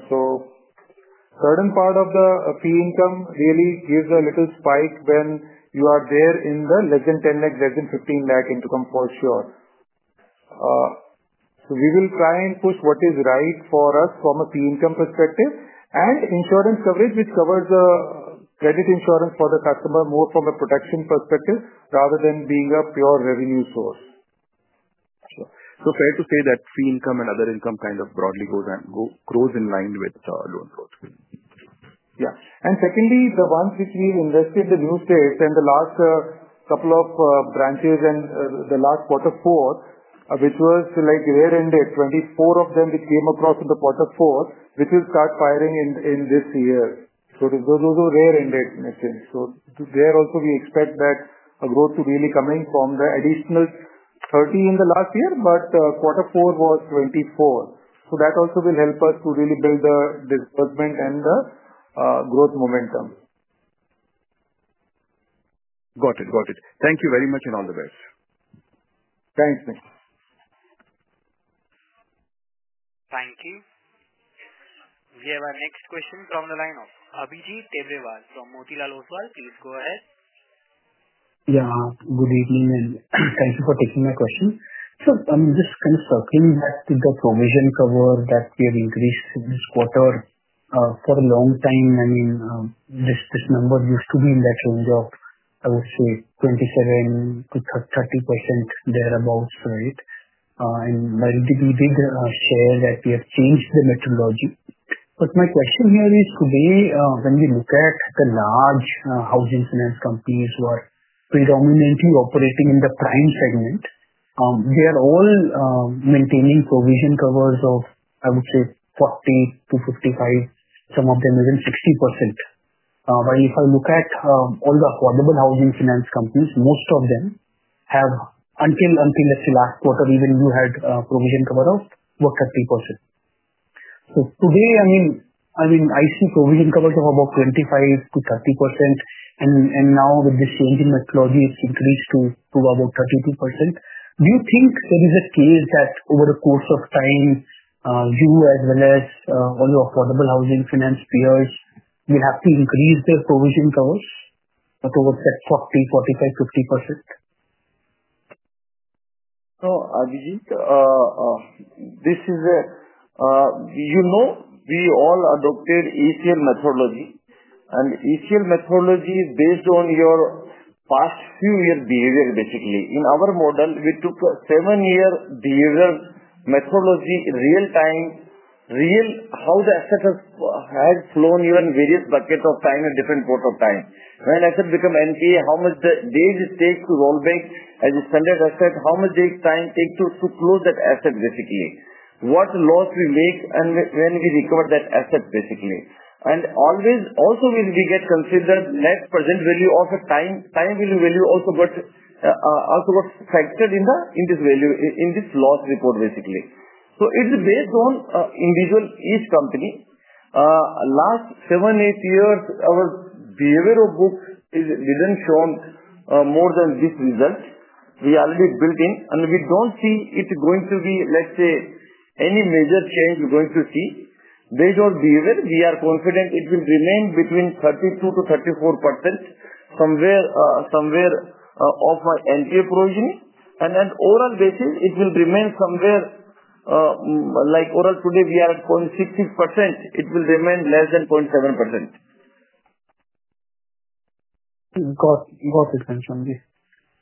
Certain part of the fee income really gives a little spike when you are there in the less than 1,000,000, less than 1,500,000 income for sure. We will try and push what is right for us from a fee income perspective and insurance coverage, which covers the credit insurance for the customer more from a protection perspective rather than being a pure revenue source. Sure. So fair to say that fee income and other income kind of broadly goes and grows in line with loan growth. Yeah. Secondly, the ones which we've invested in the new states and the last couple of branches in the last quarter four, which was year ended, 24 of them which came across in the quarter four, which will start firing in this year. Those are year ended, Nischint. There also, we expect that growth to really come in from the additional 30 in the last year, but quarter four was 24. That also will help us to really build the disbursement and the growth momentum. Got it. Got it. Thank you very much and all the best. Thanks, Nischint. Thank you. We have our next question from the line of Abhijit Debrewal from Motilal Oswal. Please go ahead. Yeah. Good evening and thank you for taking my question. I'm just kind of circling back to the provision cover that we have increased this quarter. For a long time, I mean, this number used to be in that range of, I would say, 27-30% thereabouts, right? By the way, we did share that we have changed the methodology. My question here is, today, when we look at the large housing finance companies who are predominantly operating in the prime segment, they are all maintaining provision covers of, I would say, 40-55%, some of them even 60%. While if I look at all the affordable housing finance companies, most of them have, until let's say last quarter, even you had provision cover of about 30%. I mean, I see provision covers of about 25-30%, and now with this changing methodology, it's increased to about 32%. Do you think there is a case that over the course of time, you as well as all your affordable housing finance peers will have to increase their provision covers towards that 40-45-50%? Abhijit, this is a we all adopted ECL methodology. ECL methodology is based on your past few years' behavior, basically. In our model, we took a seven-year behavior methodology, real-time, real how the asset has flown even various buckets of time at different points of time. When an asset becomes NPA, how many days it takes to roll back as a standard asset, how many days time it takes to close that asset, basically. What loss we make when we recover that asset, basically. Always also will be considered net present value of a time value also got factored in this loss report, basically. It is based on individual each company. Last seven, eight years, our behavior of book is didn't show more than this result. We already built in, and we don't see it going to be, let's say, any major change we're going to see. Based on behavior, we are confident it will remain between 32-34% somewhere of my NPA provision. On an overall basis, it will remain somewhere like overall today we are at 0.66%. It will remain less than 0.7%. Got it, Sachinder.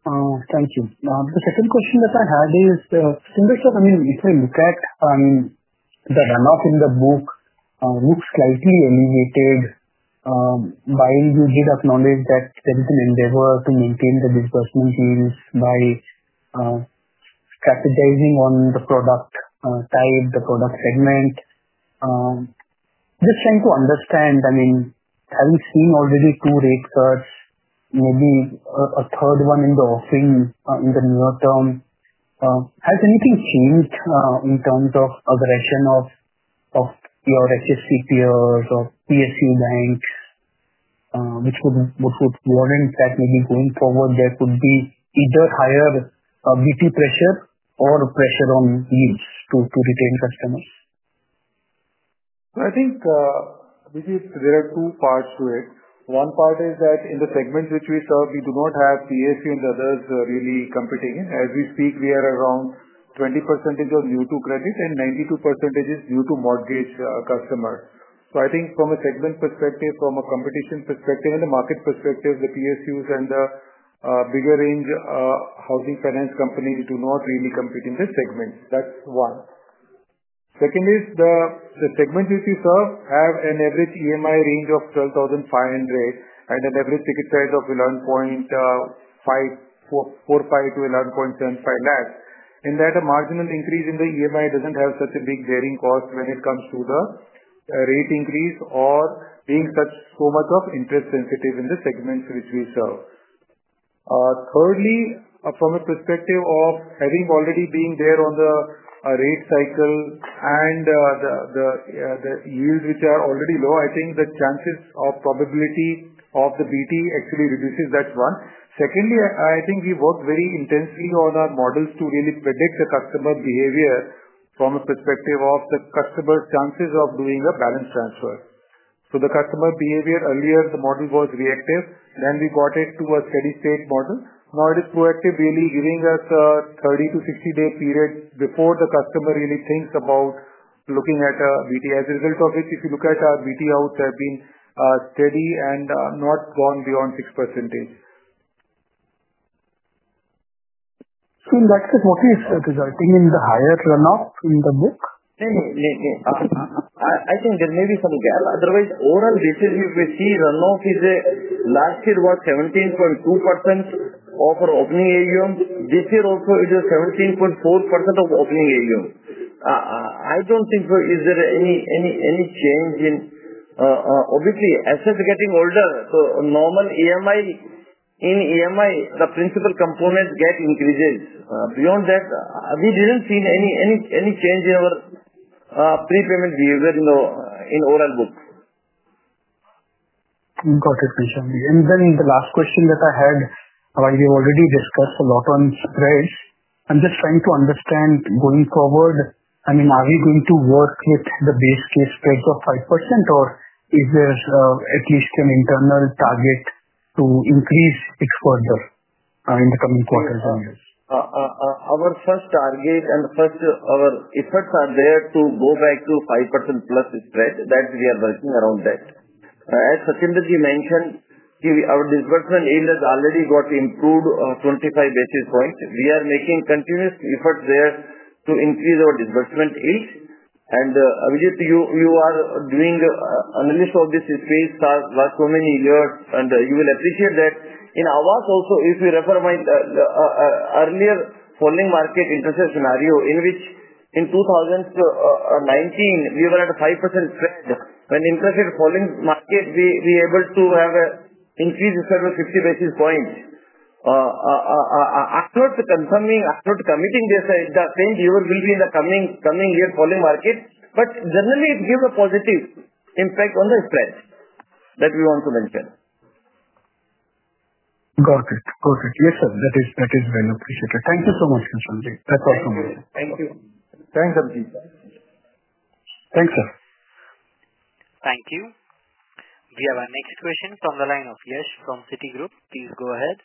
Thank you. The second question that I had is, I mean, if I look at the runoff in the book, looks slightly elevated. While you did acknowledge that there is an endeavor to maintain the disbursement yields by strategizing on the product type, the product segment. Just trying to understand, I mean, having seen already two rate cuts, maybe a third one in the offering in the near term, has anything changed in terms of aggression of your HFC peers or PSU banks which would warrant that maybe going forward there could be either higher basis point pressure or pressure on yields to retain customers? I think, Abhijit, there are two parts to it. One part is that in the segments which we serve, we do not have PSU and others really competing. As we speak, we are around 20% of new-to-credit and 92% is new-to-mortgage customers. I think from a segment perspective, from a competition perspective, and the market perspective, the PSUs and the bigger range housing finance companies do not really compete in the segments. That's one. Second is the segments which we serve have an average EMI range of 12,500 and an average ticket size of 1,145,000 to 1,175,000. In that, a marginal increase in the EMI doesn't have such a big bearing cost when it comes to the rate increase or being so much of interest sensitive in the segments which we serve. Thirdly, from a perspective of having already been there on the rate cycle and the yields which are already low, I think the chances of probability of the BT actually reduces. That's one. Secondly, I think we work very intensely on our models to really predict the customer behavior from a perspective of the customer's chances of doing a balance transfer. So the customer behavior earlier, the model was reactive. Then we got it to a steady-state model. Now it is proactive, really giving us a 30- to 60-day period before the customer really thinks about looking at a BT. As a result of it, if you look at our BT outs, they have been steady and not gone beyond 6%. That is what is resulting in the higher runoff in the book? No, no, no. I think there may be some gap. Otherwise, overall, basically, we see runoff is, last year, was 17.2% of our opening AUM. This year also it is 17.4% of opening AUM. I do not think so is there any change in, obviously, assets getting older. So, normal EMI, in EMI, the principal components get increases. Beyond that, we did not see any change in our prepayment behavior in the overall book. Got it, and the last question that I had, while we already discussed a lot on spreads, I'm just trying to understand going forward, I mean, are we going to work with the base case spreads of 5% or is there at least an internal target to increase it further in the coming quarters and years? Our first target and first our efforts are there to go back to 5% plus spread. That is, we are working around that. As Sachinder Bhinder mentioned, our disbursement yield has already got improved 25 basis points. We are making continuous efforts there to increase our disbursement yield. Abhijit, you are doing analysis of this space last so many years, and you will appreciate that. In Aavas also, if you refer my earlier falling market interest rate scenario in which in 2019 we were at a 5% spread, when interest rate falling market, we were able to have an increase of 50 basis points. I am not confirming, I am not committing this that same viewer will be in the coming year falling market, but generally it gives a positive impact on the spread that we want to mention. Got it. Got it. Yes, sir. That is well appreciated. Thank you so much, Ghanshyam. That's all from me. Thank you. Thanks, Abhijit. Thanks, sir. Thank you. We have our next question from the line of Yash from Citigroup. Please go ahead.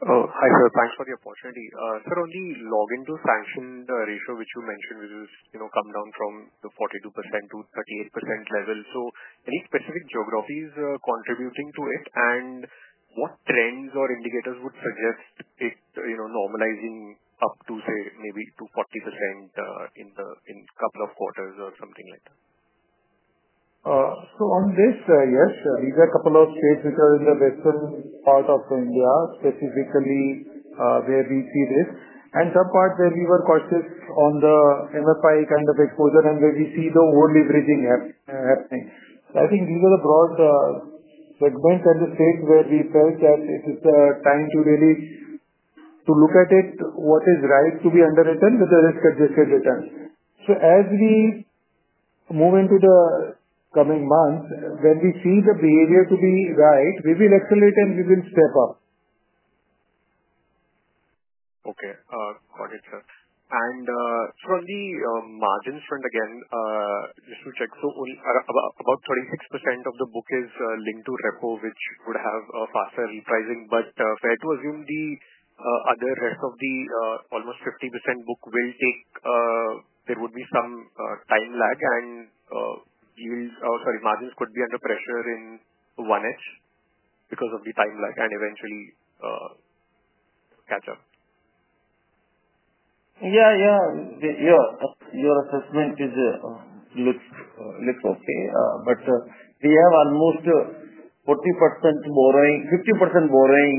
Oh, hi sir. Thanks for the opportunity. Sir, on the log-in to sanctioned ratio which you mentioned, which has come down from the 42% to 38% level, any specific geographies contributing to it, and what trends or indicators would suggest it normalizing up to, say, maybe to 40% in a couple of quarters or something like that? Yes, these are a couple of states which are in the western part of India, specifically where we see this, and some parts where we were cautious on the MFI kind of exposure and where we see the over-leveraging happening. I think these are the broad segments and the states where we felt that it is the time to really look at it, what is right to be underwritten with the risk-adjusted return. As we move into the coming months, when we see the behavior to be right, we will accelerate and we will step up. Okay. Got it, sir. From the margins, again, just to check, about 36% of the book is linked to repo, which would have faster repricing, but fair to assume the other rest of the almost 50% book will take, there would be some time lag and yields or sorry, margins could be under pressure in one edge because of the time lag and eventually catch up? Yeah, yeah. Your assessment looks okay, but we have almost 40% borrowing, 50% borrowing.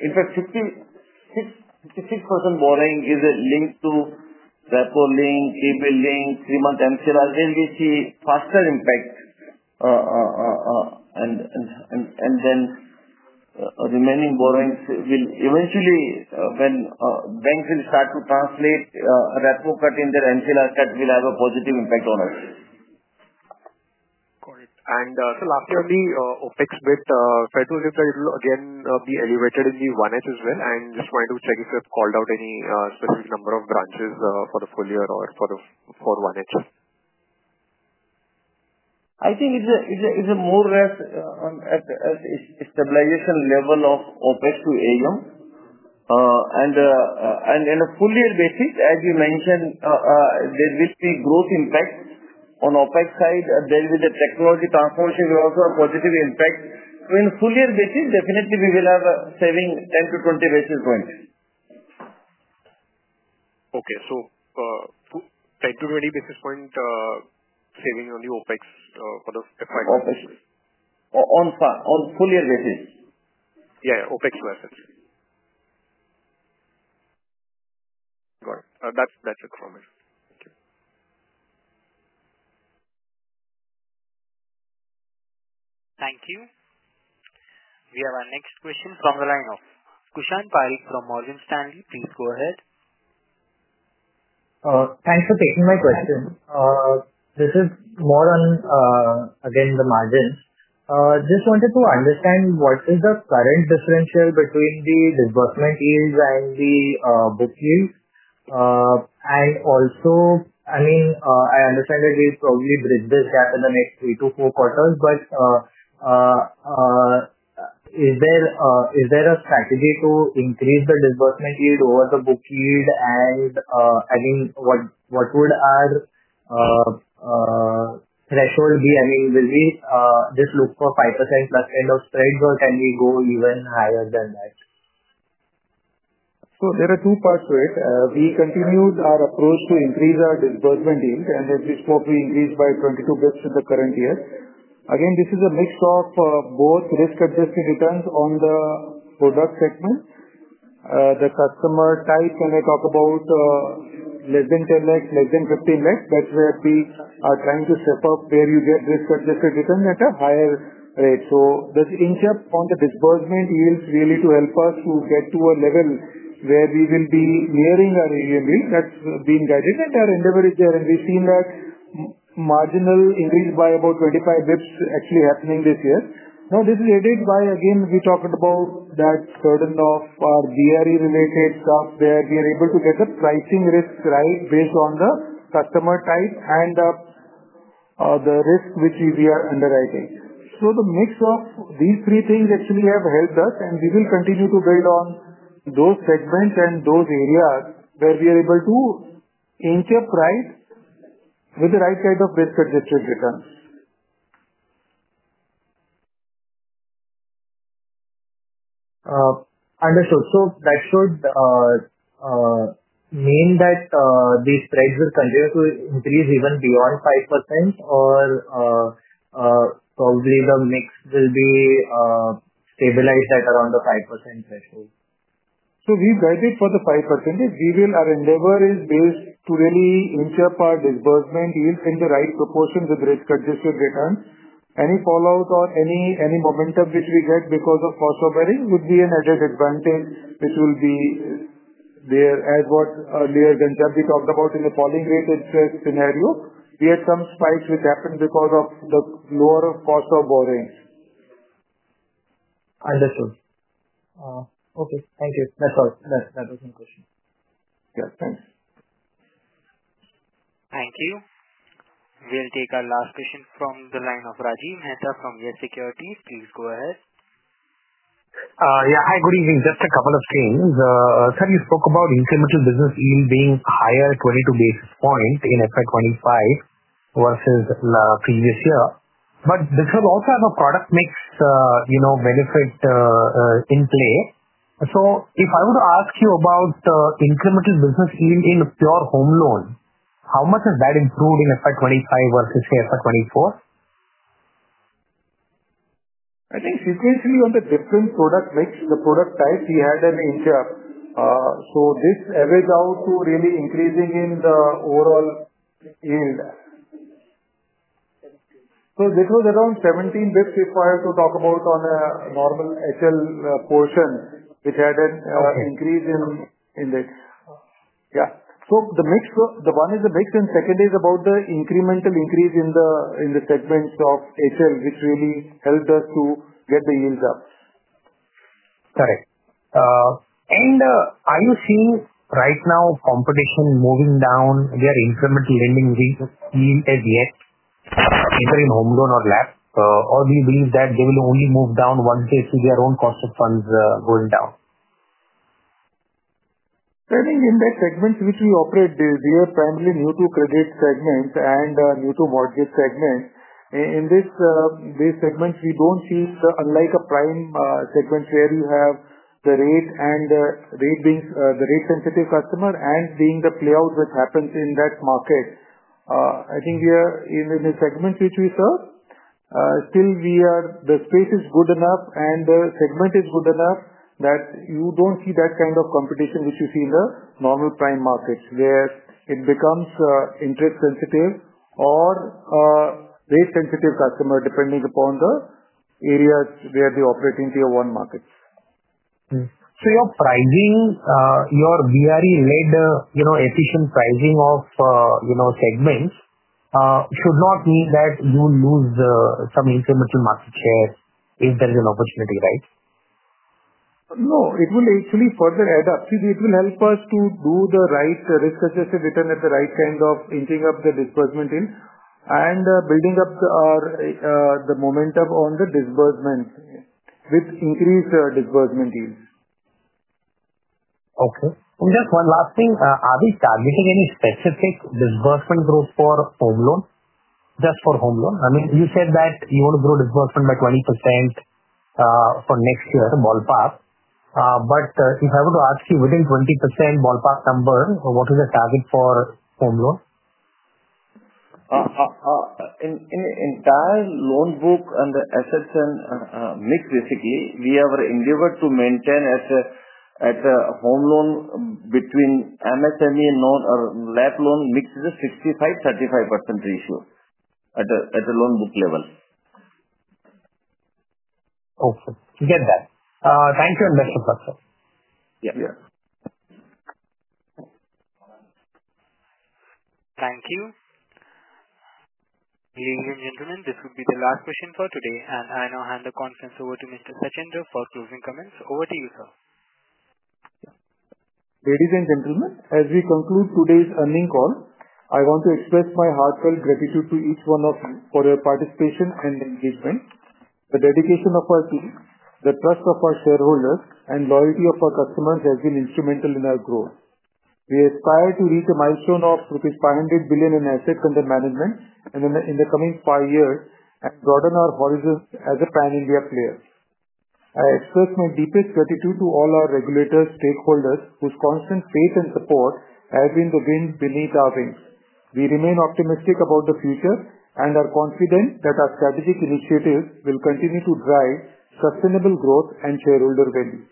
In fact, 56% borrowing is linked to repo, link, AP link, three-month MCLR, where we see faster impact, and then remaining borrowings will eventually, when banks will start to translate a repo cut in their MCLR cut, will have a positive impact on us. Got it. Last year, the OPEX with federal debt will again be elevated in the one edge as well. Just wanted to check if you have called out any specific number of branches for the full year or for one edge? I think it's more at a stabilization level of OPEX to AUM. On a full-year basis, as you mentioned, there will be growth impact on OPEX side. There will be the technology transformation will also have a positive impact. In full-year basis, definitely we will have a saving 10-20 basis points. Okay. So 10-20 basis point saving on the OPEX for the five years? On full-year basis. Yeah, OPEX versus. Got it. That's it from me. Thank you. Thank you. We have our next question from the line of Kushan Parikh from Morgan Stanley. Please go ahead. Thanks for taking my question. This is more on, again, the margins. Just wanted to understand what is the current differential between the disbursement yields and the book yields. Also, I mean, I understand that we'll probably bridge this gap in the next three to four quarters, but is there a strategy to increase the disbursement yield over the book yield? I mean, what would our threshold be? I mean, will we just look for 5% plus kind of spreads, or can we go even higher than that? There are two parts to it. We continued our approach to increase our disbursement yield, and as we spoke, we increased by 22 basis points in the current year. Again, this is a mix of both risk-adjusted returns on the product segment. The customer type, when I talk about less than 10x, less than 15x, that's where we are trying to step up where you get risk-adjusted returns at a higher rate. There's an inch up on the disbursement yields really to help us to get to a level where we will be nearing our AUM yield that's being guided, and our endeavor is there. We've seen that marginal increase by about 25 basis points actually happening this year. Now, this is aided by, again, we talked about that certain of our DRE-related stuff where we are able to get the pricing risk right based on the customer type and the risk which we are underwriting. So the mix of these three things actually have helped us, and we will continue to build on those segments and those areas where we are able to inch up right with the right kind of risk-adjusted returns. Understood. That should mean that these spreads will continue to increase even beyond 5%, or probably the mix will be stabilized at around the 5% threshold? We have guided for the 5%. Our endeavor is based to really inch up our disbursement yields in the right proportion with risk-adjusted returns. Any fallout or any momentum which we get because of cost of bearing would be an added advantage which will be there as what earlier Ghanshyam Rawat talked about in the falling rate interest scenario. We had some spikes which happened because of the lower cost of borrowing. Understood. Okay. Thank you. That's all. That was my question. Yeah. Thanks. Thank you. We'll take our last question from the line of Rajiv Mehta from YES Securities. Please go ahead. Yeah. Hi, good evening. Just a couple of things. Sir, you spoke about incremental business yield being higher at 22 basis points in FY25 versus previous year, but this will also have a product mix benefit in play. If I were to ask you about incremental business yield in a pure home loan, how much has that improved in FY25 versus, say, FY24? I think sequentially on the different product mix, the product type, we had an inch up. This averaged out to really increasing in the overall yield. This was around 17 basis points if I were to talk about on a normal HL portion, which had an increase in this. Yeah. The one is the mix, and second is about the incremental increase in the segments of HL, which really helped us to get the yields up. Correct. Are you seeing right now competition moving down their incremental lending yield as yet, either in home loan or lab, or do you believe that they will only move down once they see their own cost of funds going down? I think in the segments which we operate, they are primarily new-to-credit segments and new-to-mortgage segments. In these segments, we do not see unlike a prime segment where you have the rate and the rate-sensitive customer and being the playout which happens in that market. I think we are in the segments which we serve. Still, the space is good enough and the segment is good enough that you do not see that kind of competition which you see in the normal prime markets where it becomes interest-sensitive or rate-sensitive customer depending upon the area where they operate in tier-one markets. Your pricing, your DRE-led efficient pricing of segments should not mean that you will lose some incremental market share if there is an opportunity, right? No, it will actually further add up. See, it will help us to do the right risk-adjusted return at the right kind of inching up the disbursement yield and building up the momentum on the disbursement with increased disbursement yields. Okay. Just one last thing. Are we targeting any specific disbursement growth for home loan? Just for home loan? I mean, you said that you want to grow disbursement by 20% for next year, ballpark. If I were to ask you within 20% ballpark number, what is the target for home loan? In the entire loan book and the assets and mix, basically, we have an endeavor to maintain at a home loan between MSME and non-lab loan mix is a 65-35% ratio at a loan book level. Okay. Get that. Thank you and best of luck, sir. Yeah. Thank you. Ladies and gentlemen, this will be the last question for today, and I now hand the conference over to Mr. Sachinder Bhinder for closing comments. Over to you, sir. Ladies and gentlemen, as we conclude today's earning call, I want to express my heartfelt gratitude to each one of you for your participation and engagement. The dedication of our team, the trust of our shareholders, and loyalty of our customers has been instrumental in our growth. We aspire to reach a milestone of 500 billion in assets under management in the coming five years and broaden our horizons as a Pan-India player. I express my deepest gratitude to all our regulators, stakeholders, whose constant faith and support have been the wind beneath our wings. We remain optimistic about the future and are confident that our strategic initiatives will continue to drive sustainable growth and shareholder value.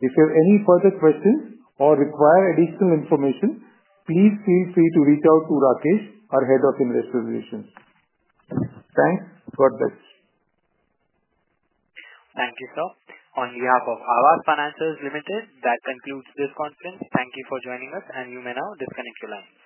If you have any further questions or require additional information, please feel free to reach out to Rakesh, our Head of Investor Relations. Thanks. God bless. Thank you, sir. On behalf of Aavas Financiers Limited, that concludes this conference. Thank you for joining us, and you may now disconnect your line.